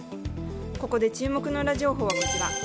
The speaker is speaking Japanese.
ここで注目のウラ情報はこちら。